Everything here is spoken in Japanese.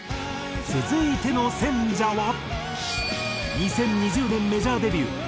続いての選者は２０２０年メジャーデビュー。